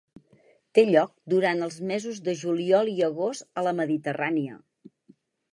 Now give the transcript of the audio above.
Té lloc durant els mesos de juliol i agost a la Mediterrània.